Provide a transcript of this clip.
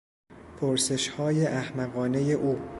پرسشهای احمقانهی او